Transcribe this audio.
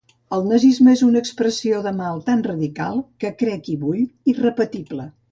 El nazisme és una expressió de mal tan radical que crec i vull irrepetible.